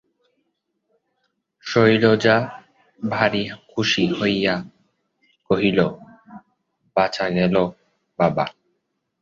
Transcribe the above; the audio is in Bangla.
শৈলজা ভারি খুশি হইয়া কহিল, বাঁচা গেল বাবা!